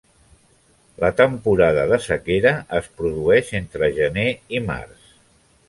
La temporada de sequera es produeix entre gener i març.